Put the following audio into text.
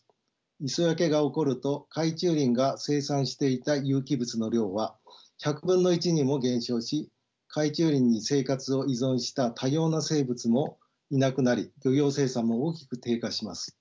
磯焼けが起こると海中林が生産していた有機物の量は１００分の１にも減少し海中林に生活を依存した多様な生物もいなくなり漁業生産も大きく低下します。